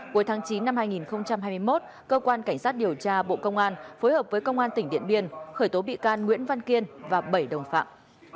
cuối tháng chín năm hai nghìn hai mươi một cơ quan cảnh sát điều tra bộ công an phối hợp với công an tỉnh điện biên khởi tố bị can nguyễn văn kiên và bảy đồng phạm